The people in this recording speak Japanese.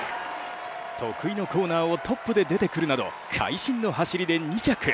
得意のコーナーをトップで出てくるなど会心の走りで２着。